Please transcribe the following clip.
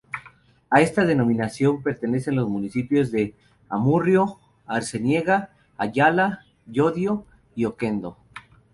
A esta denominación pertenecen los municipios de Amurrio, Arceniega, Ayala, Llodio y Oquendo.